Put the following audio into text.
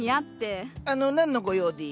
あの何のご用で？